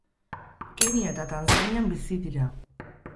Kenia eta Tanzanian bizi dira.